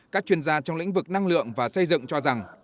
các chuyên gia trong lĩnh vực năng lượng và xây dựng cho rằng